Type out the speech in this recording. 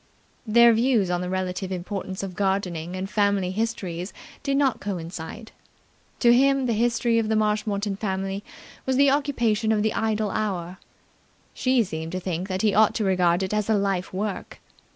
Their views on the relative importance of gardening and family histories did not coincide. To him the history of the Marshmoreton family was the occupation of the idle hour: she seemed to think that he ought to regard it as a life work.